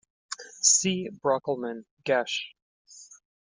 C. Brockelmann, Gesch.